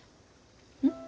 うん？